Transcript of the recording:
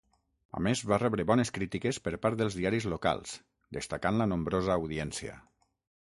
A més, va rebre bones crítiques per part dels diaris locals, destacant la nombrosa audiència.